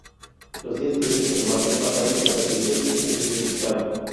Los días previos a su muerte pasaron desapercibidos en su significado.